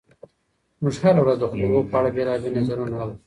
موږ هره ورځ د خوړو په اړه بېلابېل نظرونه اورو.